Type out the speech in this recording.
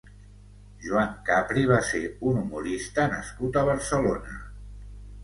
Joan Capri va ser un humorista nascut a Barcelona.